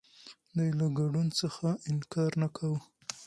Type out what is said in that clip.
دوی له ګډون څخه انکار نه کاوه.